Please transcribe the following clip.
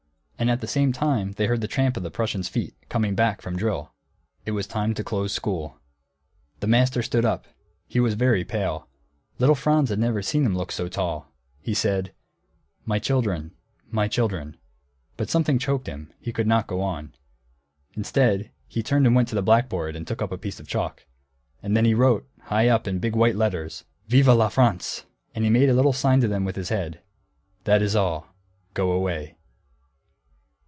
And at the same time they heard the tramp of the Prussians' feet, coming back from drill. It was time to close school. The master stood up. He was very pale. Little Franz had never seen him look so tall. He said: "My children my children" but something choked him; he could not go on. Instead he turned and went to the blackboard and took up a piece of chalk. And then he wrote, high up, in big white letters, "Vive la France!" And he made a little sign to them with his head, "That is all; go away."